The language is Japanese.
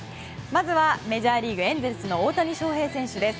まずはメジャーリーグエンゼルスの大谷翔平選手です。